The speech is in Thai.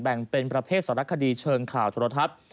เป็นประเภทสารคดีเชิงข่าวโทรทัศน์